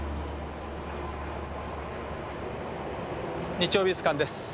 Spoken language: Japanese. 「日曜美術館」です。